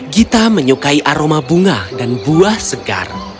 gita menyukai aroma bunga dan buah segar